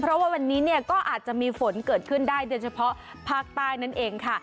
เพราะว่าวันนี้เนี่ยก็อาจจะมีฝนเกิดขึ้นได้โดยเฉพาะภาคใต้นั่นเองค่ะ